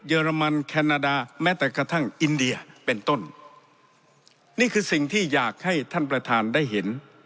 เรมันแคนาดาแม้แต่กระทั่งอินเดียเป็นต้นนี่คือสิ่งที่อยากให้ท่านประธานได้เห็น